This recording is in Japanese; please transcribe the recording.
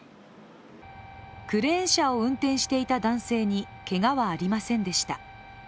クレーン車を運転していた男性にけがはありませんでした。